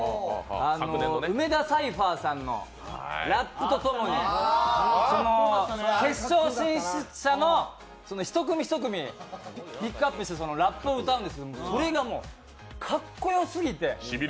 梅田サイファーさんのラップとともに決勝進出者の１組１組ピックアップしてラップを歌うんですけども、それがかっこよすぎて。